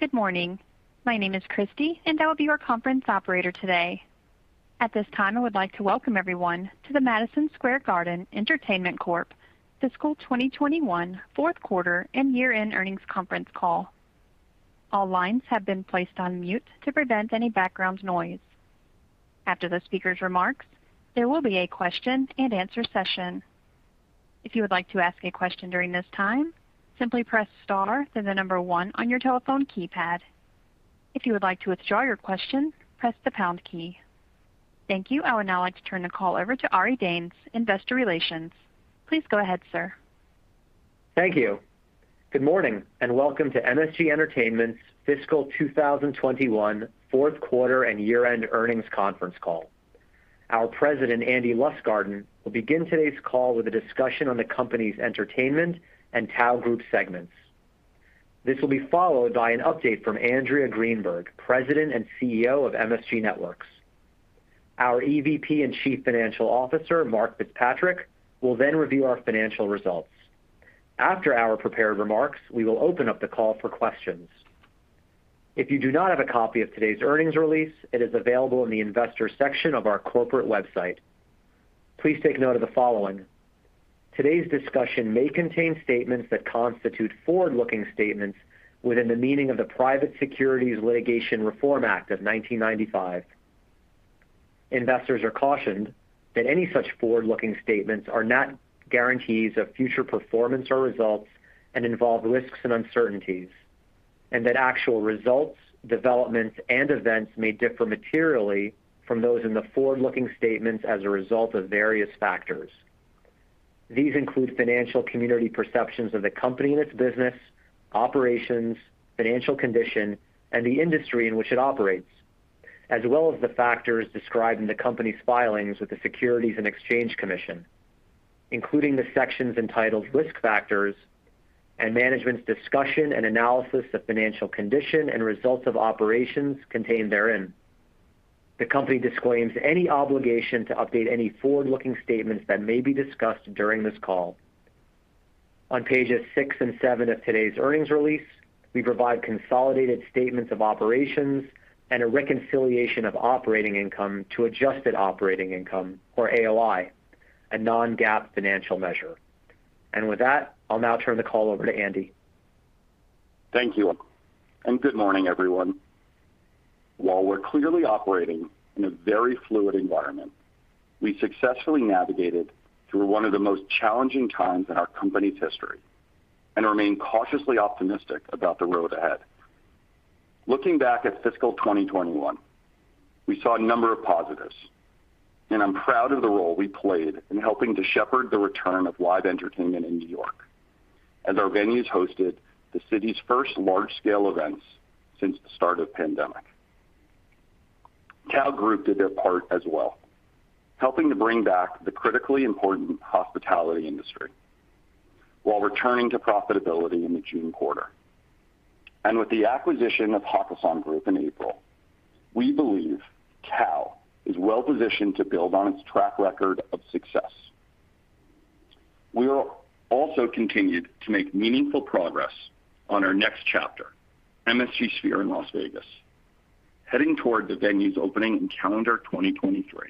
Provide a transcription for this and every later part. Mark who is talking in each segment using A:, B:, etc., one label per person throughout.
A: Good morning. My name is Christy and I will be your conference operator today. At this time, I would like to welcome everyone to the Madison Square Garden Entertainment Corp Fiscal 2021 Q4 and Year End Earnings Conference Call. All lines have been placed on mute to prevent any background noise. After the speaker's remarks, there will be a question and answer session. If you would like to ask a question during this time, simply press star then the number 1 on your telephone keypad. If you would like to withdraw your question, press the pound key. Thank you. I would now like to turn the call over to Ari Danes, Investor Relations. Please go ahead, sir.
B: Thank you. Good morning and welcome to MSG Entertainment's Fiscal 2021 Q4 and Year End Earnings Conference Call. Our president, Andrew Lustgarten, will begin today's call with a discussion on the company's Entertainment and Tao Group segments. This will be followed by an update from Andrea Greenberg, President and CEO of MSG Networks. Our EVP and Chief Financial Officer, Mark FitzPatrick, will then review our financial results. After our prepared remarks, we will open up the call for questions. If you do not have a copy of today's earnings release, it is available in the investor section of our corporate website. Please take note of the following. Today's discussion may contain statements that constitute forward-looking statements within the meaning of the Private Securities Litigation Reform Act of 1995. Investors are cautioned that any such forward-looking statements are not guarantees of future performance or results and involve risks and uncertainties, and that actual results, developments, and events may differ materially from those in the forward-looking statements as a result of various factors. These include financial community perceptions of the company and its business, operations, financial condition, and the industry in which it operates, as well as the factors described in the company's filings with the Securities and Exchange Commission, including the sections entitled Risk Factors and Management's Discussion and Analysis of Financial Condition and Results of Operations contained therein. The company disclaims any obligation to update any forward-looking statements that may be discussed during this call. On pages six and seven of today's earnings release, we provide consolidated statements of operations and a reconciliation of operating income to adjusted operating income, or AOI, a non-GAAP financial measure. With that, I'll now turn the call over to Andrew.
C: Thank you, and good morning, everyone. While we're clearly operating in a very fluid environment, we successfully navigated through one of the most challenging times in our company's history and remain cautiously optimistic about the road ahead. Looking back at fiscal 2021, we saw a number of positives, and I'm proud of the role we played in helping to shepherd the return of live entertainment in New York. As our venues hosted the city's first large-scale events since the start of the pandemic. Tao Group did their part as well, helping to bring back the critically important hospitality industry while returning to profitability in the June quarter. With the acquisition of Hakkasan Group in April, we believe Tao is well-positioned to build on its track record of success. We also continued to make meaningful progress on our next chapter, MSG Sphere in Las Vegas, heading toward the venue's opening in calendar 2023.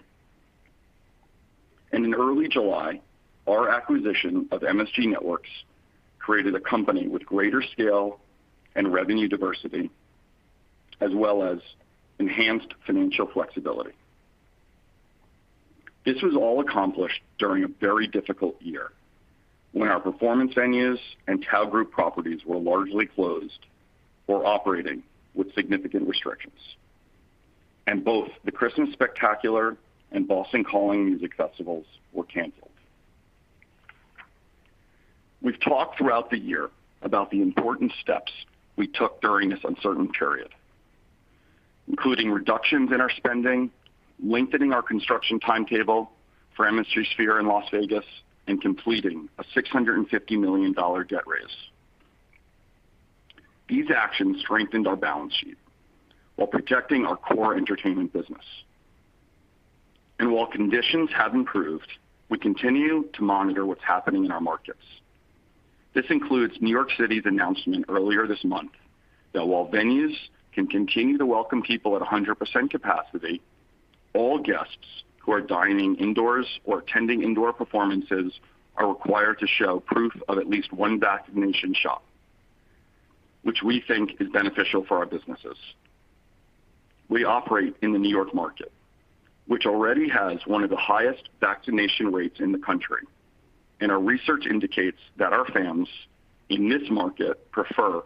C: In early July, our acquisition of MSG Networks created a company with greater scale and revenue diversity, as well as enhanced financial flexibility. This was all accomplished during a very difficult year, when our performance venues and Tao Group properties were largely closed or operating with significant restrictions. Both the Christmas Spectacular and Boston Calling Music Festival were canceled. We've talked throughout the year about the important steps we took during this uncertain period, including reductions in our spending, lengthening our construction timetable for MSG Sphere in Las Vegas, and completing a $650 million debt raise. These actions strengthened our balance sheet while protecting our core entertainment business. While conditions have improved, we continue to monitor what's happening in our markets. This includes New York City's announcement earlier this month that while venues can continue to welcome people at 100% capacity, all guests who are dining indoors or attending indoor performances are required to show proof of at least one vaccination shot, which we think is beneficial for our businesses. We operate in the New York market, which already has one of the highest vaccination rates in the country, and our research indicates that our fans in this market prefer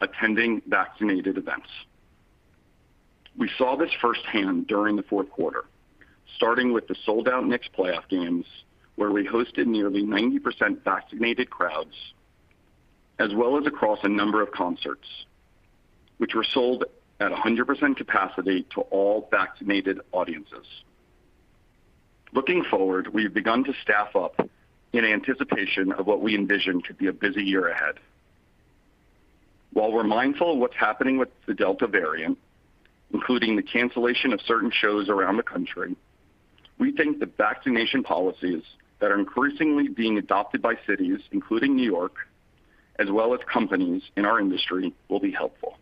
C: attending vaccinated events. We saw this firsthand during the Q4 starting with the sold-out Knicks playoff games, where we hosted nearly 90% vaccinated crowds, as well as across a number of concerts, which were sold at 100% capacity to all vaccinated audiences. Looking forward, we've begun to staff up in anticipation of what we envision to be a busy year ahead. While we're mindful of what's happening with the Delta variant, including the cancellation of certain shows around the country. We think the vaccination policies that are increasingly being adopted by cities, including New York, as well as companies in our industry, will be helpful.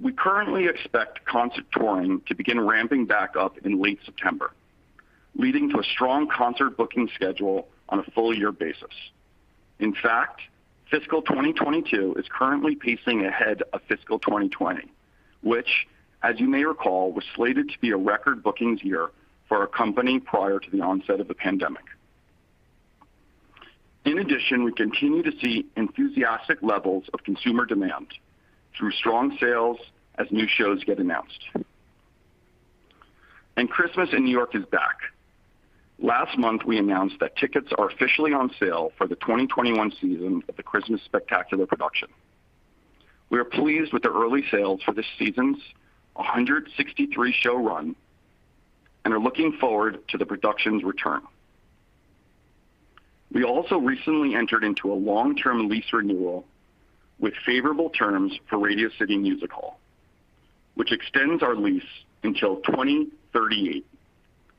C: We currently expect concert touring to begin ramping back up in late September, leading to a strong concert booking schedule on a full-year basis. In fact, fiscal 2022 is currently pacing ahead of fiscal 2020, which as you may recall, was slated to be a record bookings year for our company prior to the onset of the pandemic. In addition, we continue to see enthusiastic levels of consumer demand through strong sales as new shows get announced. Christmas in New York is back. Last month, we announced that tickets are officially on sale for the 2021 season of the Christmas Spectacular production. We are pleased with the early sales for this season's 163-show run, and are looking forward to the production's return. We also recently entered into a long-term lease renewal with favorable terms for Radio City Music Hall, which extends our lease until 2038,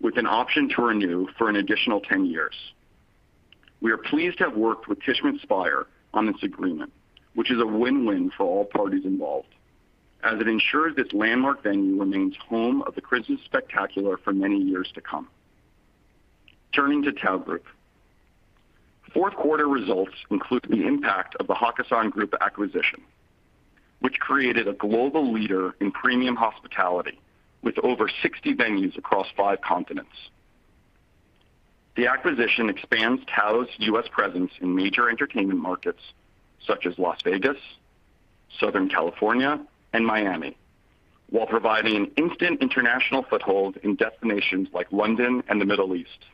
C: with an option to renew for an additional 10 years. We are pleased to have worked with Tishman Speyer on this agreement, which is a win-win for all parties involved, as it ensures this landmark venue remains home of the Christmas Spectacular for many years to come. Turning to Tao Group. Q4 results include the impact of the Hakkasan Group acquisition, which created a global leader in premium hospitality with over 60 venues across five continents. The acquisition expands Tao's U.S. presence in major entertainment markets such as Las Vegas, Southern California, and Miami, while providing an instant international foothold in destinations like London and the Middle East.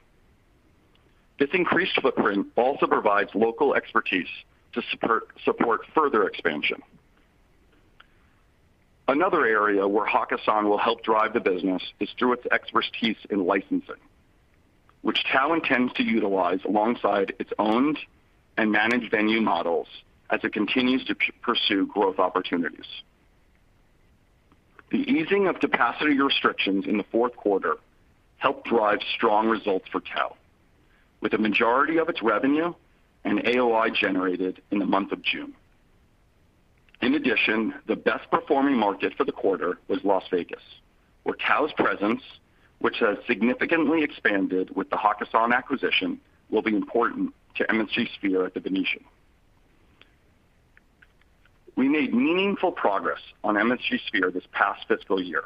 C: This increased footprint also provides local expertise to support further expansion. Another area where Hakkasan will help drive the business is through its expertise in licensing, which Tao intends to utilize alongside its owned and managed venue models as it continues to pursue growth opportunities. The easing of capacity restrictions in the Q4 helped drive strong results for Tao, with the majority of its revenue and AOI generated in the month of June. In addition, the best performing market for the quarter was Las Vegas, where Tao's presence, which has significantly expanded with the Hakkasan acquisition, will be important to Sphere at The Venetian Resort. We made meaningful progress on MSG Sphere this past fiscal year,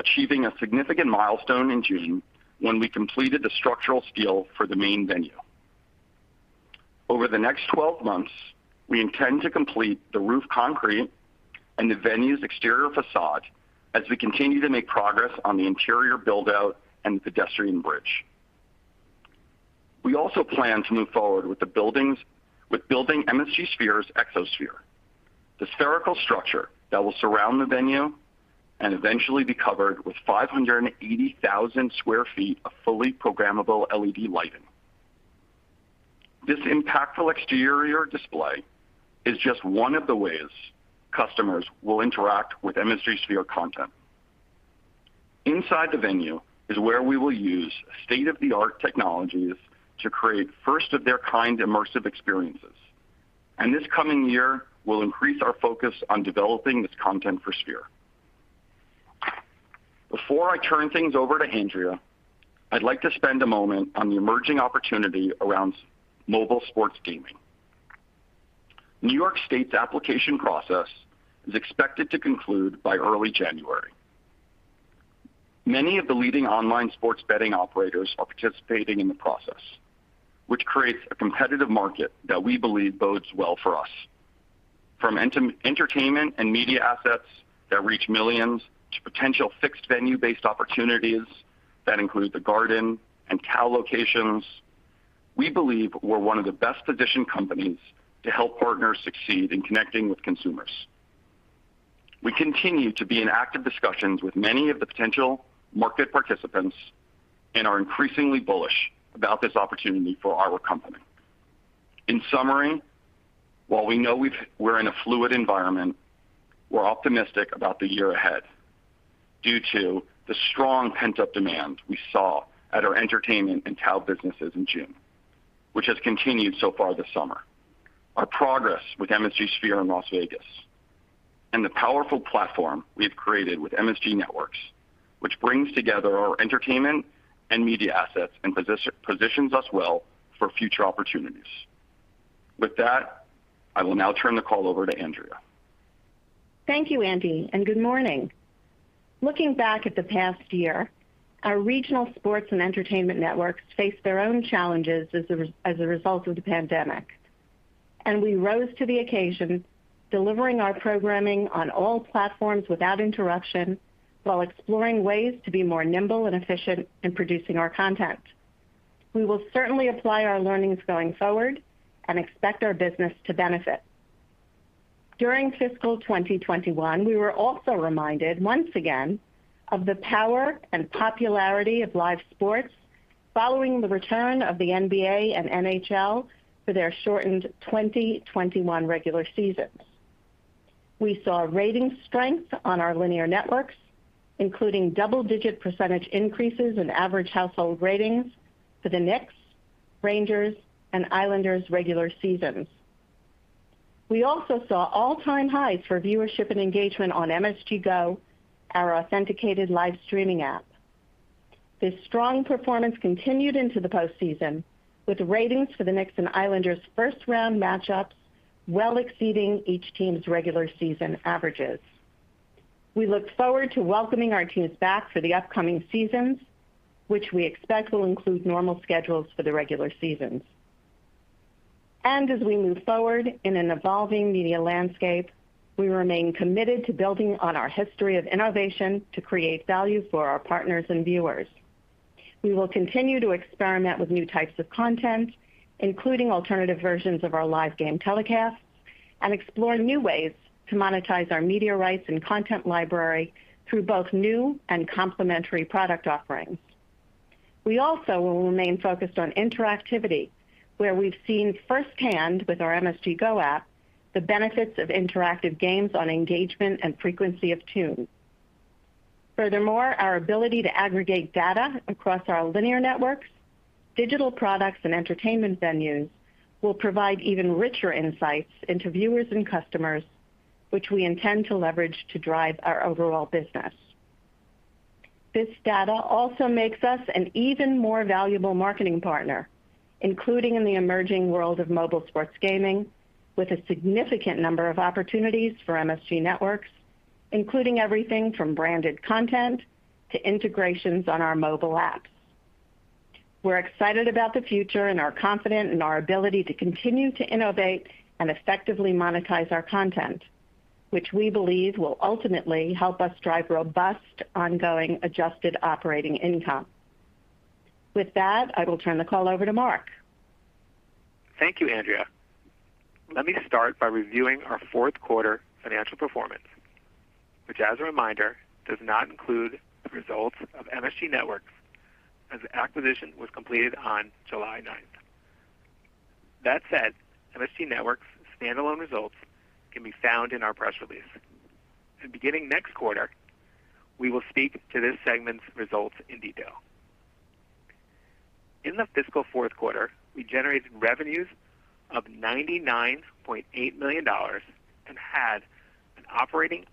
C: achieving a significant milestone in June when we completed the structural steel for the main venue. Over the next 12 months, we intend to complete the roof concrete and the venue's exterior facade as we continue to make progress on the interior build-out and the pedestrian bridge. We also plan to move forward with building MSG Sphere's Exosphere, the spherical structure that will surround the venue and eventually be covered with 580,000 sq ft of fully programmable LED lighting. This impactful exterior display is just one of the ways customers will interact with MSG Sphere content. Inside the venue is where we will use state-of-the-art technologies to create first-of-their-kind immersive experiences, and this coming year will increase our focus on developing this content for Sphere. Before I turn things over to Andrea, I'd like to spend a moment on the emerging opportunity around mobile sports gaming. New York State's application process is expected to conclude by early January. Many of the leading online sports betting operators are participating in the process, which creates a competitive market that we believe bodes well for us. From entertainment and media assets that reach millions, to potential fixed venue-based opportunities that include the Garden and Tao locations. We believe we're one of the best-positioned companies to help partners succeed in connecting with consumers. We continue to be in active discussions with many of the potential market participants and are increasingly bullish about this opportunity for our company. In summary, while we know we're in a fluid environment, we're optimistic about the year ahead due to the strong pent-up demand we saw at our entertainment and Tao businesses in June, which has continued so far this summer. Our progress with MSG Sphere in Las Vegas and the powerful platform we've created with MSG Networks, which brings together our entertainment and media assets and positions us well for future opportunities. With that, I will now turn the call over to Andrea.
D: Thank you, Andrew Lustgarten, and good morning. Looking back at the past year, our regional sports and entertainment networks faced their own challenges as a result of the pandemic, and we rose to the occasion, delivering our programming on all platforms without interruption while exploring ways to be more nimble and efficient in producing our content. We will certainly apply our learnings going forward and expect our business to benefit. During fiscal 2021, we were also reminded once again of the power and popularity of live sports following the return of the NBA and NHL for their shortened 2021 regular season. We saw rating strength on our linear networks, including double-digit percentage increases in average household ratings for the Knicks, Rangers, and Islanders regular seasons. We also saw all-time highs for viewership and engagement on MSG Go, our authenticated live streaming app. This strong performance continued into the postseason, with ratings for the Knicks and Islanders first-round matchups well exceeding each team's regular season averages. We look forward to welcoming our teams back for the upcoming seasons, which we expect will include normal schedules for the regular seasons. As we move forward in an evolving media landscape, we remain committed to building on our history of innovation to create value for our partners and viewers. We will continue to experiment with new types of content, including alternative versions of our live game telecasts, and explore new ways to monetize our media rights and content library through both new and complementary product offerings. We also will remain focused on interactivity, where we've seen firsthand with our MSG Go app the benefits of interactive games on engagement and frequency of tune. Furthermore, our ability to aggregate data across our linear networks, digital products, and entertainment venues will provide even richer insights into viewers and customers, which we intend to leverage to drive our overall business. This data also makes us an even more valuable marketing partner, including in the emerging world of mobile sports gaming, with a significant number of opportunities for MSG Networks, including everything from branded content to integrations on our mobile apps. We're excited about the future and are confident in our ability to continue to innovate and effectively monetize our content, which we believe will ultimately help us drive robust, ongoing adjusted operating income. With that, I will turn the call over to Mark.
E: Thank you, Andrea. Let me start by reviewing our Q4 financial performance, which as a reminder, does not include the results of MSG Networks, as the acquisition was completed on July 9th. That said, MSG Networks' standalone results can be found in our press release. Beginning next quarter, we will speak to this segment's results in detail. In the fiscal Q4, we generated revenues of $99.8 million and had an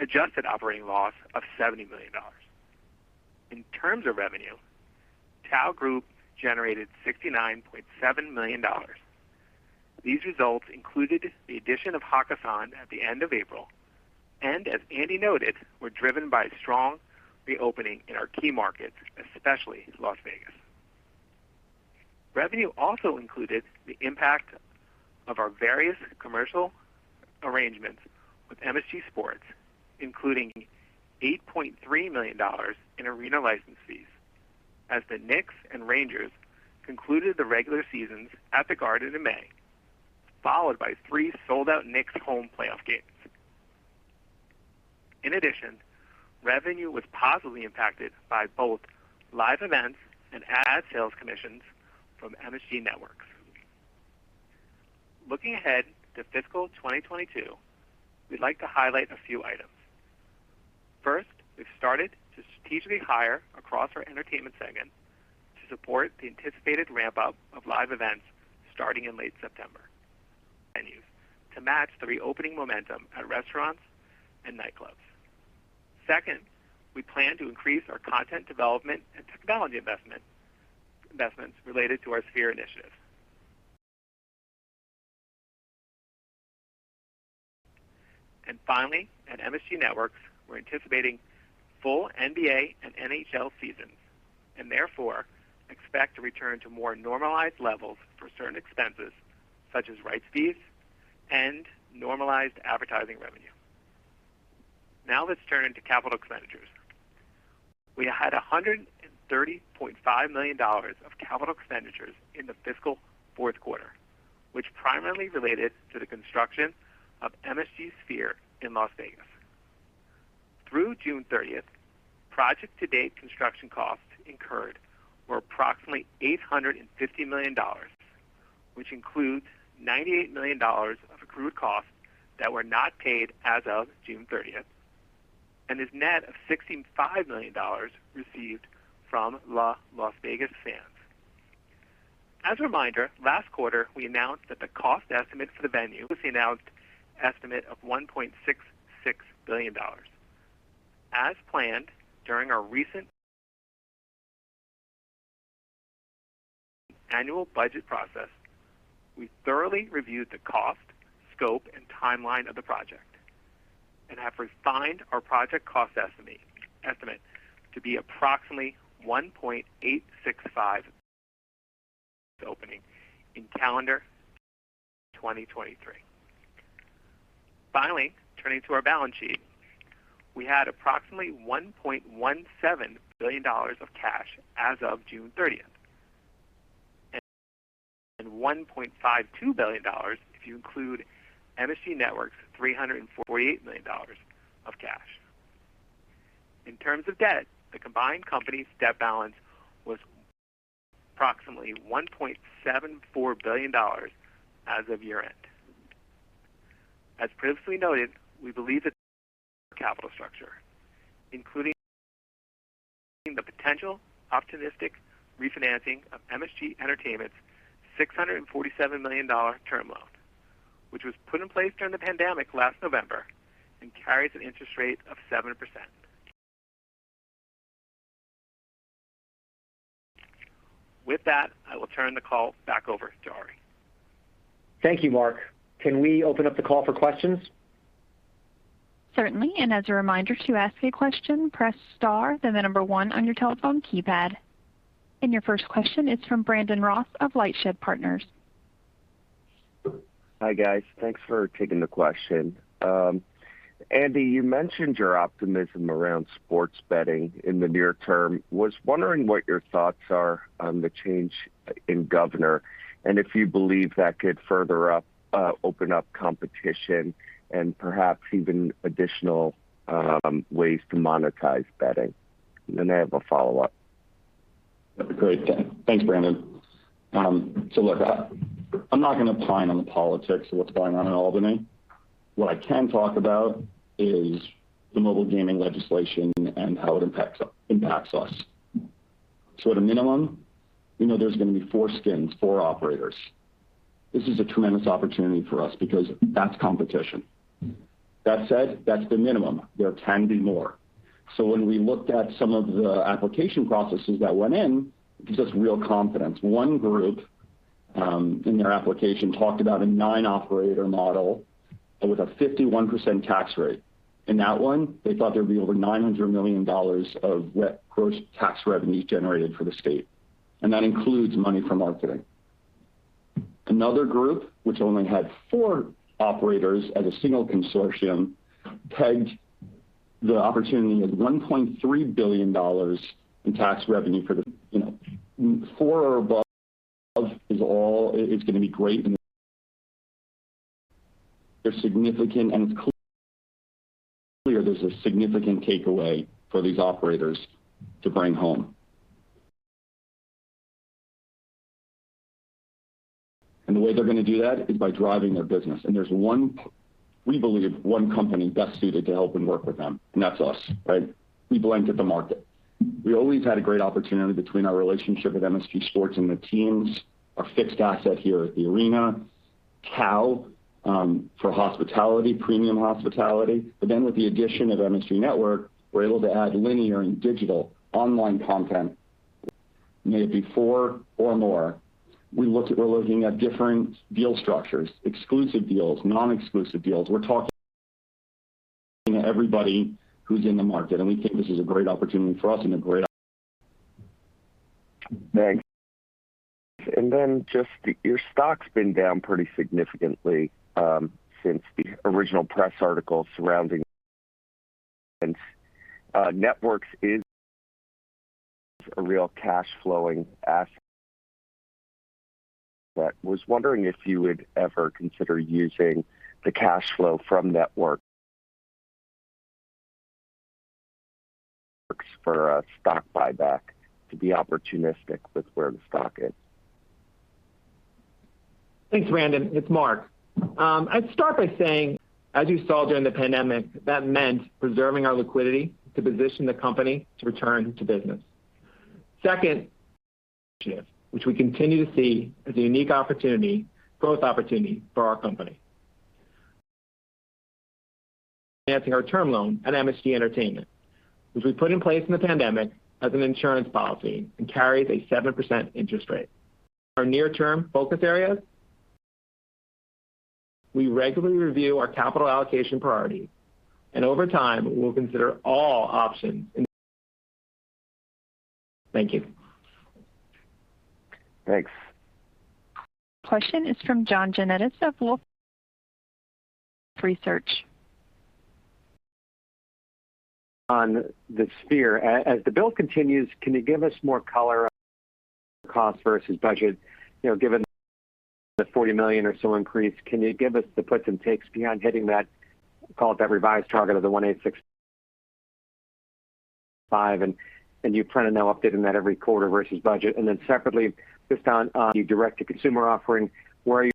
E: adjusted operating loss of $70 million. In terms of revenue, Tao Group generated $69.7 million. These results included the addition of Hakkasan at the end of April, and as Andrew noted, were driven by strong reopening in our key markets, especially Las Vegas. Revenue also included the impact of our various commercial arrangements with MSG Sports, including $8.3 million in arena license fees as the Knicks and Rangers concluded the regular seasons at the Garden in May, followed by three sold-out Knicks home playoff games. Revenue was positively impacted by both live events and ad sales commissions from MSG Networks. Looking ahead to fiscal 2022, we'd like to highlight a few items. We've started to strategically hire across our entertainment segment to support the anticipated ramp-up of live events starting in late September. Venues to match the reopening momentum at restaurants and nightclubs. We plan to increase our content development and technology investments related to our Sphere initiative. Finally, at MSG Networks, we're anticipating full NBA and NHL seasons, and therefore expect to return to more normalized levels for certain expenses such as rights fees and normalized advertising revenue. Let's turn to capital expenditures. We had $130.5 million of capital expenditures in the fiscal Q4, which primarily related to the construction of MSG Sphere in Las Vegas. Through June 30th, project to date construction costs incurred were approximately $850 million, which includes $98 million of accrued costs that were not paid as of June 30th, and is net of $65 million received from Las Vegas Sands. A reminder, last quarter we announced that the cost estimate for the venue was the announced estimate of $1.66 billion. As planned, during our recent annual budget process, we thoroughly reviewed the cost, scope, and timeline of the project and have refined our project cost estimate to be approximately $1.865 billion with opening in calendar 2023. Finally, turning to our balance sheet, we had approximately $1.17 billion of cash as of June 30th, and $1.52 billion if you include MSG Networks' $348 million of cash. In terms of debt, the combined company's debt balance was approximately $1.74 billion as of year-end. As previously noted, we believe that capital structure, including the potential opportunistic refinancing of MSG Entertainment's $647 million term loan, which was put in place during the pandemic last November and carries an interest rate of 7%. With that, I will turn the call back over to Ari.
B: Thank you, Mark. Can we open up the call for questions?
A: Certainly. As a reminder, to ask a question, press star then the number one on your telephone keypad. Your first question is from Brandon Ross of LightShed Partners.
F: Hi, guys. Thanks for taking the question. Andrew, you mentioned your optimism around sports betting in the near term. Was wondering what your thoughts are on the change in governor and if you believe that could further open up competition and perhaps even additional ways to monetize betting? Then I have a follow-up.
C: That'd be great. Thanks, Brandon. Look, I'm not going to opine on the politics of what's going on in Albany. What I can talk about is the mobile gaming legislation and how it impacts us. At a minimum, we know there's going to be four skins, four operators. This is a tremendous opportunity for us because that's competition. That said, that's the minimum. There can be more. When we looked at some of the application processes that went in, it gives us real confidence. One group, in their application, talked about a nine-operator model and with a 51% tax rate. In that one, they thought there'd be over $900 million of gross tax revenue generated for the state, and that includes money from marketing. Another group, which only had four operators as a single consortium, pegged the opportunity at $1.3 billion in tax revenue. Four or above is going to be great. It's clear there's a significant takeaway for these operators to bring home. The way they're going to do that is by driving their business. There's, we believe, one company best suited to help and work with them, and that's us, right? We blanket the market. We always had a great opportunity between our relationship with MSG Sports and the teams, our fixed asset here at the arena, Tao for hospitality, premium hospitality. With the addition of MSG Network, we're able to add linear and digital online content maybe four or more. We're looking at different deal structures, exclusive deals, non-exclusive deals. We're talking to everybody who's in the market, and we think this is a great opportunity for us.
F: Thanks. Just your stock's been down pretty significantly since the original press article surrounding Networks is a real cash flowing asset. Was wondering if you would ever consider using the cash flow from Networks for a stock buyback to be opportunistic with where the stock is.
E: Thanks, Brandon. It's Mark. I'd start by saying, as you saw during the pandemic, that meant preserving our liquidity to position the company to return to business. Second, initiative, which we continue to see as a unique growth opportunity for our company. Enhancing our term loan at MSG Entertainment, which we put in place in the pandemic as an insurance policy and carries a 7% interest rate. Our near-term focus areas. We regularly review our capital allocation priority, and over time, we'll consider all options in. Thank you.
F: Thanks.
A: Question is from John Janedis of Wolfe Research.
G: On the Sphere. As the build continues, can you give us more color on cost versus budget? Given the $40 million or so increase, can you give us the puts and takes beyond hitting that revised target of the $1.865? You plan to now update in that every quarter versus budget? Separately, just on your direct-to-consumer offering, where are you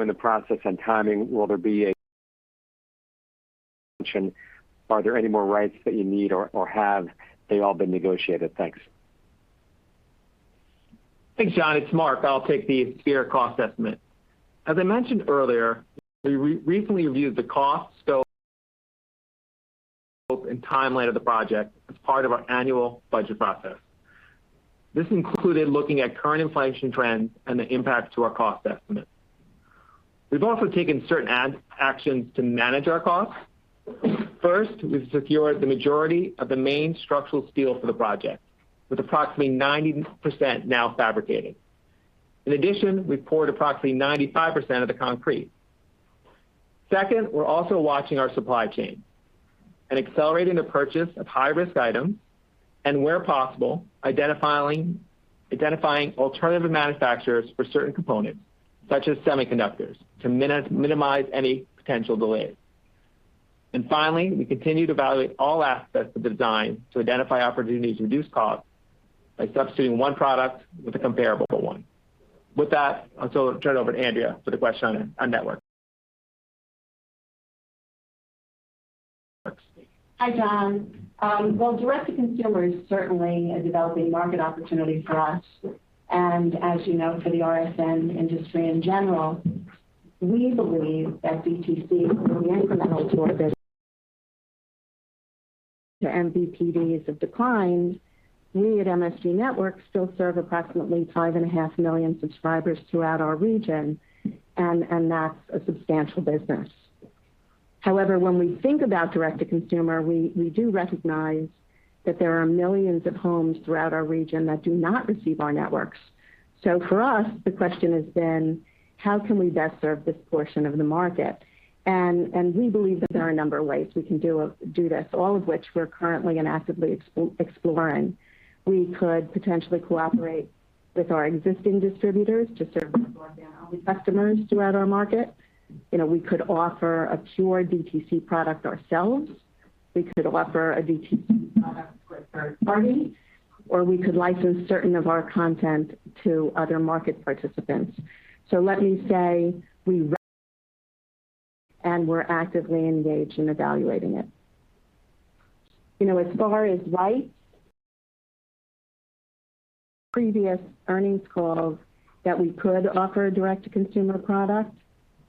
G: in the process and timing? Will there be a function? Are there any more rights that you need or have they all been negotiated? Thanks.
E: Thanks, John. It's Mark. I'll take the Sphere cost estimate. As I mentioned earlier, we recently reviewed the cost, scope, and timeline of the project as part of our annual budget process. This included looking at current inflation trends and the impact to our cost estimate. We've also taken certain actions to manage our costs. First, we've secured the majority of the main structural steel for the project, with approximately 90% now fabricated. In addition, we've poured approximately 95% of the concrete. Second, we're also watching our supply chain and accelerating the purchase of high-risk items and where possible, identifying alternative manufacturers for certain components, such as semiconductors, to minimize any potential delays. Finally, we continue to evaluate all aspects of the design to identify opportunities to reduce costs by substituting one product with a comparable one. With that, I'll turn it over to Andrea for the question on Network.
D: Hi, John. Well, direct-to-consumer is certainly a developing market opportunity for us, and as you know, for the RSN industry in general. We believe that DTC will be incremental to our business. The MVPDs have declined. We at MSG Networks still serve approximately 5.5 million subscribers throughout our region. That's a substantial business. However, when we think about direct-to-consumer, we do recognize that there are millions of homes throughout our region that do not receive our networks. For us, the question is then, how can we best serve this portion of the market? We believe that there are a number of ways we can do this, all of which we're currently and actively exploring. We could potentially cooperate with our existing distributors to serve as our customers throughout our market. We could offer a pure DTC product ourselves. We could offer a DTC product with a third party, or we could license certain of our content to other market participants. Let me say we're actively engaged in evaluating it. Previous earnings calls that we could offer a direct-to-consumer product.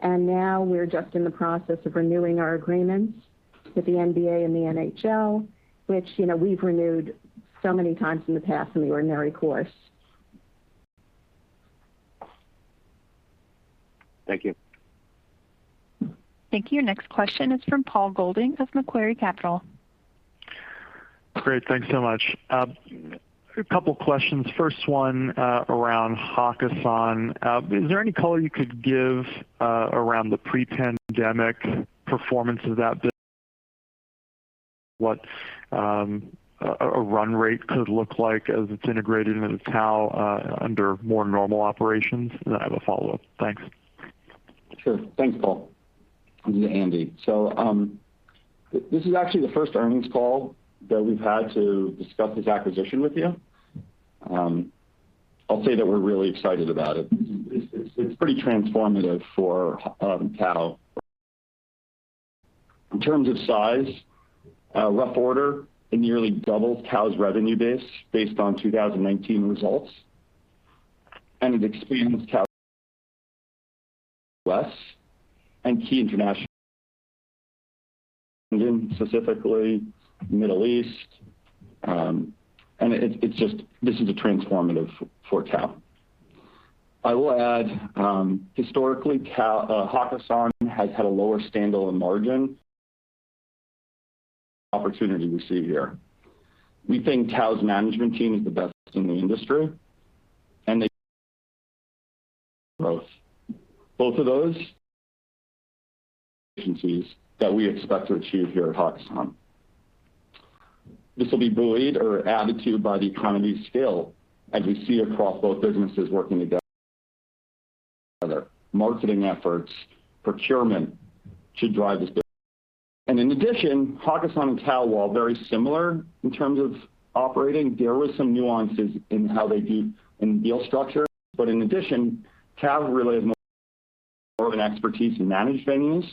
D: Now we're just in the process of renewing our agreements with the NBA and the NHL, which we've renewed so many times in the past in the ordinary course.
G: Thank you.
A: Thank you. Next question is from Paul Golding of Macquarie Capital.
H: Great. Thanks so much. A couple questions. First one around Hakkasan. Is there any color you could give around the pre-pandemic performance of that business? What a run rate could look like as it's integrated into Tao under more normal operations? I have a follow-up. Thanks.
C: Sure. Thanks, Paul. This is Andrew. This is actually the first earnings call that we've had to discuss this acquisition with you. I'll say that we're really excited about it. It's pretty transformative for Tao. In terms of size, rough order, it nearly doubles Tao's revenue base based on 2019 results. It expands Tao's U.S. and key international, specifically Middle East. This is a transformative for Tao. I will add, historically, Hakkasan has had a lower standalone margin. Opportunity we see here. We think Tao's management team is the best in the industry. Both of those efficiencies that we expect to achieve here at Hakkasan. This will be buoyed or added to by the economies of scale as we see across both businesses working together. Other marketing efforts, procurement should drive this business. In addition, Hakkasan and Tao, while very similar in terms of operating, there were some nuances in how they deal in deal structure. In addition, Tao really has more of an expertise in managed venues.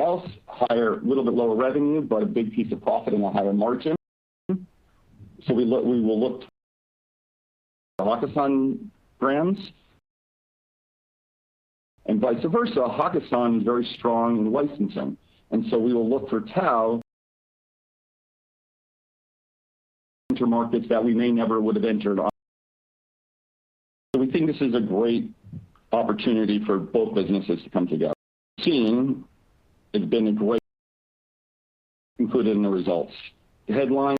C: Else, a little bit lower revenue, but a big piece of profit and a higher margin. We will look. The Hakkasan brands. Vice versa, Hakkasan is very strong in licensing. We will look for Tao enter markets that we may never would have entered on. We think this is a great opportunity for both businesses to come together. Team has been great. Include in the results. The headline.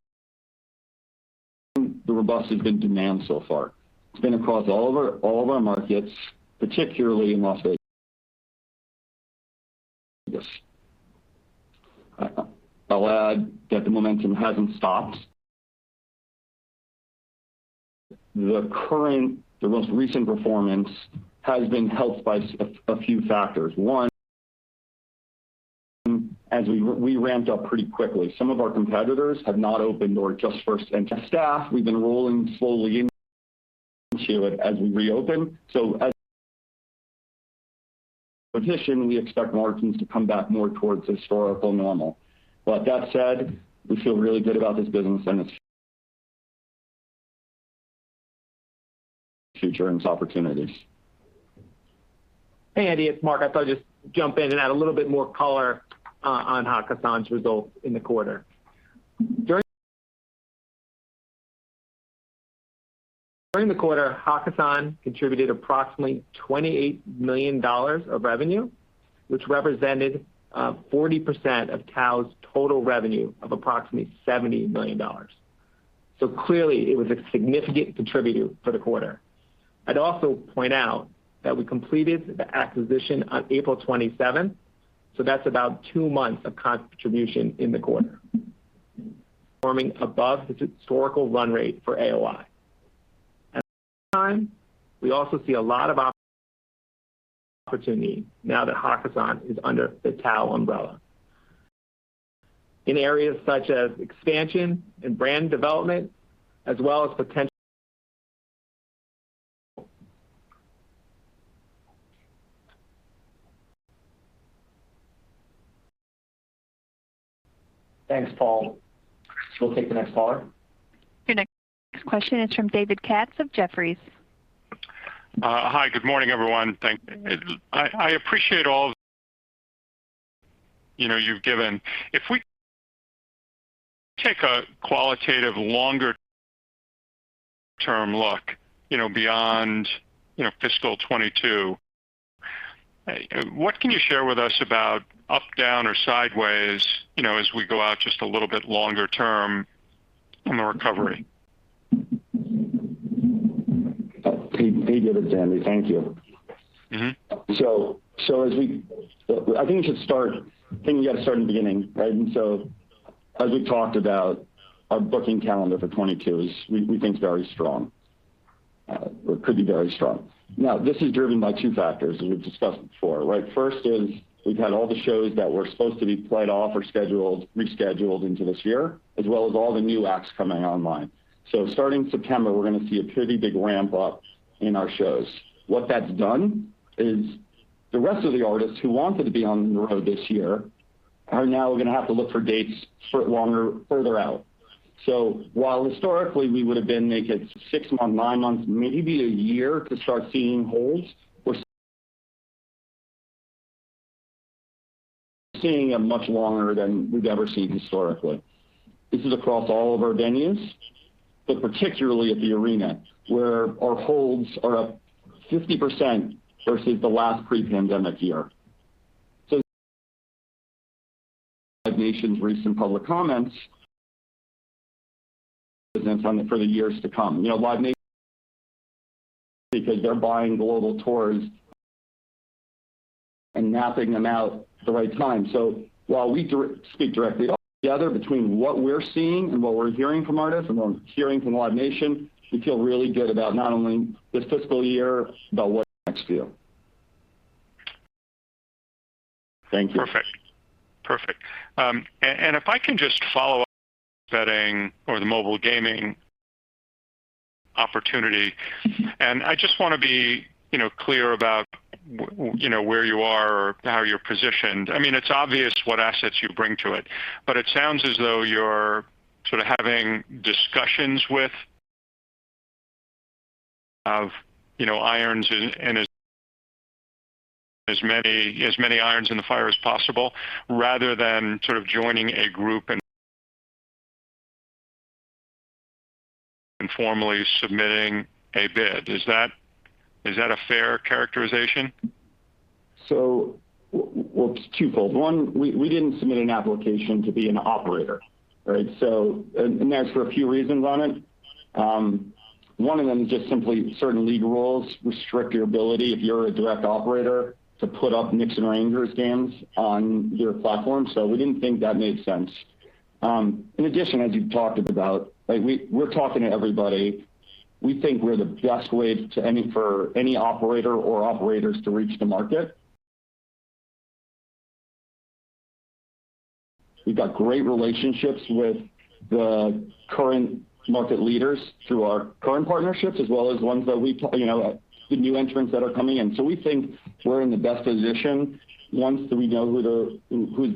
C: The robust has been demand so far. It's been across all of our markets, particularly in Las Vegas. I'll add that the momentum hasn't stopped. The most recent performance has been helped by a few factors. One, as we ramped up pretty quickly. Some of our competitors have not opened or just first and staff. We've been rolling slowly into it as we reopen. Position, we expect margins to come back more towards historical normal. That said, we feel really good about this business and its future earnings opportunities.
E: Hey, Andrew, it's Mark. I thought I'd just jump in and add a little bit more color on Hakkasan's results in the quarter. During the quarter, Hakkasan contributed approximately $28 million of revenue, which represented 40% of Tao's total revenue of approximately $70 million. Clearly it was a significant contributor for the quarter. I'd also point out that we completed the acquisition on April 27th, so that's about two months of contribution in the quarter. Performing above the historical run rate for AOI. At the same time, we also see a lot of opportunity now that Hakkasan is under the Tao umbrella.
B: Thanks, Paul. We'll take the next caller.
A: Your next question is from David Katz of Jefferies.
I: Hi. Good morning, everyone. I appreciate all you've given. If we take a qualitative longer term look, beyond fiscal 2022, what can you share with us about up, down, or sideways, as we go out just a little bit longer term from the recovery?
C: David, it's Andrew. Thank you. I think we got to start at the beginning, right? As we talked about our booking calendar for 2022 is, we think, very strong. Could be very strong. This is driven by two factors, and we've discussed before, right? First is we've had all the shows that were supposed to be played off or scheduled, rescheduled into this year, as well as all the new acts coming online. Starting September, we're going to see a pretty big ramp-up in our shows. What that's done is the rest of the artists who wanted to be on the road this year are now going to have to look for dates further out. While historically we would have been make it six months, nine months, maybe one year to start seeing holds, we're seeing them much longer than we've ever seen historically. This is across all of our venues, but particularly at the arena where our holds are up 50% versus the last pre-pandemic year. Live Nation's recent public comments for the years to come. Live Nation, because they're buying global tours and mapping them out at the right time. While we speak directly together between what we're seeing and what we're hearing from artists and what we're hearing from Live Nation, we feel really good about not only this fiscal year, but what's next year. Thank you.
I: Perfect. If I can just follow up betting or the mobile gaming opportunity, and I just want to be clear about where you are or how you're positioned. It's obvious what assets you bring to it, but it sounds as though you're sort of having discussions with irons and as many irons in the fire as possible rather than sort of joining a group and formally submitting a bid. Is that a fair characterization?
C: Well, it's twofold. One, we didn't submit an application to be an operator. Right? That's for a few reasons on it. One of them is just simply certain legal rules restrict your ability if you're a direct operator to put up Knicks and Rangers games on your platform. We didn't think that made sense. In addition, as you've talked about, we're talking to everybody. We think we're the best way for any operator or operators to reach the market. We've got great relationships with the current market leaders through our current partnerships as well as the new entrants that are coming in. We think we're in the best position once we know who's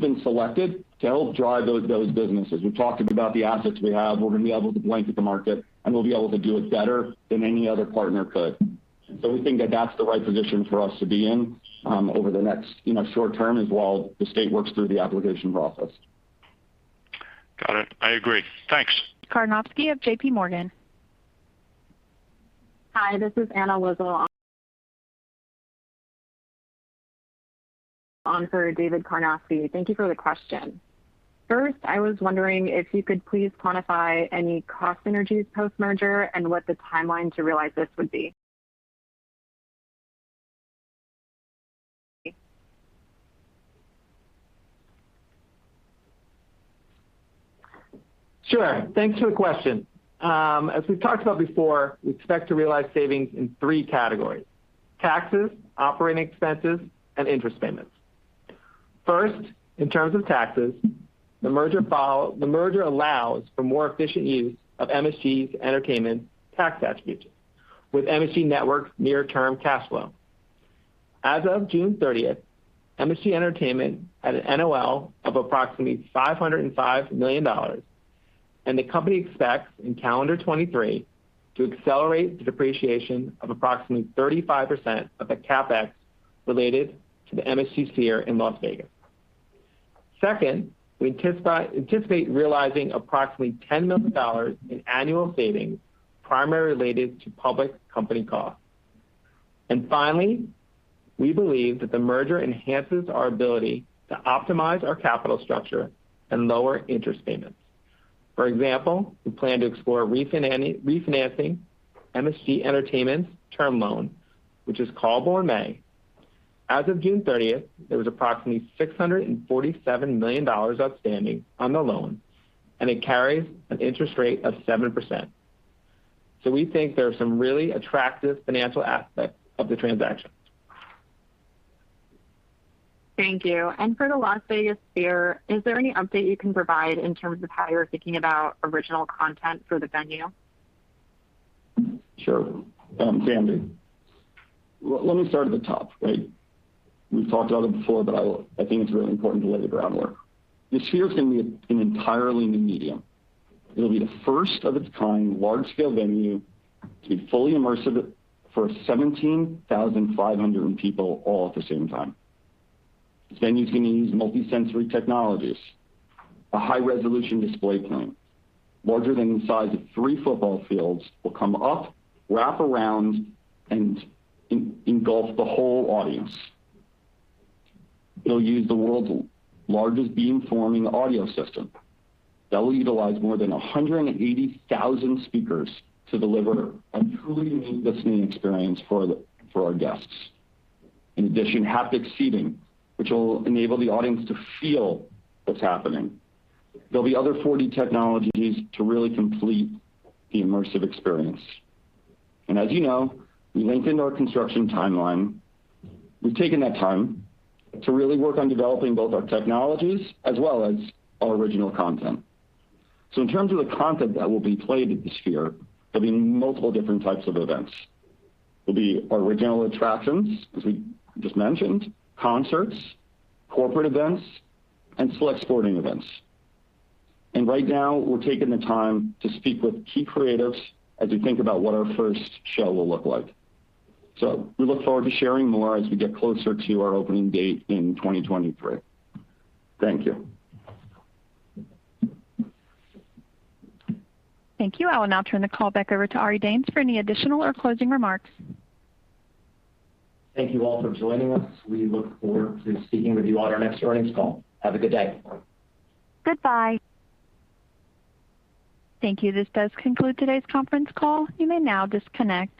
C: been selected to help drive those businesses. We've talked about the assets we have. We're going to be able to blanket the market, and we'll be able to do it better than any other partner could. We think that that's the right position for us to be in over the next short term as well, the state works through the application process.
I: Got it. I agree. Thanks.
A: Karnovsky of JPMorgan.
J: Hi, this is Anna Lizzul on for David Karnovsky. Thank you for the question. First, I was wondering if you could please quantify any cost synergies post-merger and what the timeline to realize this would be?
E: Sure. Thanks for the question. As we've talked about before, we expect to realize savings in three categories: taxes, operating expenses, and interest payments. First, in terms of taxes, the merger allows for more efficient use of MSG Entertainment tax attributes with MSG Networks' near-term cash flow. As of June 30th, MSG Entertainment had an NOL of approximately $505 million. The company expects in calendar 2023 to accelerate the depreciation of approximately 35% of the CapEx related to the MSG Sphere in Las Vegas. Second, we anticipate realizing approximately $10 million in annual savings primarily related to public company costs. Finally, we believe that the merger enhances our ability to optimize our capital structure and lower interest payments. For example, we plan to explore refinancing MSG Entertainment's term loan, which is callable in May. As of June 30th, there was approximately $647 million outstanding on the loan, and it carries an interest rate of 7%. We think there are some really attractive financial aspects of the transaction.
J: Thank you. For the Las Vegas Sphere, is there any update you can provide in terms of how you're thinking about original content for the venue?
C: Sure. Anna. Let me start at the top, right? We've talked about it before, but I think it's really important to lay the groundwork. The Sphere can be an entirely new medium. It'll be the first of its kind large-scale venue to be fully immersive for 17,500 people all at the same time. This venue's going to use multi-sensory technologies. A high-resolution display plane larger than the size of 3 football fields will come up, wrap around, and engulf the whole audience. It'll use the world's largest beam-forming audio system that will utilize more than 180,000 speakers to deliver a truly unique listening experience for our guests. In addition, haptic seating, which will enable the audience to feel what's happening. There'll be other 4D technologies to really complete the immersive experience. As you know, we lengthened our construction timeline. We've taken that time to really work on developing both our technologies as well as our original content. In terms of the content that will be played at the Sphere, there'll be multiple different types of events. There'll be original attractions, as we just mentioned, concerts, corporate events, and select sporting events. Right now, we're taking the time to speak with key creatives as we think about what our first show will look like. We look forward to sharing more as we get closer to our opening date in 2023. Thank you.
A: Thank you. I will now turn the call back over to Ari Danes for any additional or closing remarks.
B: Thank you all for joining us. We look forward to speaking with you on our next earnings call. Have a good day.
A: Goodbye. Thank you. This does conclude today's conference call. You may now disconnect.